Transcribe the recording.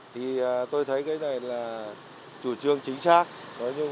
thì tôi thấy cái này là chủ trương chính xác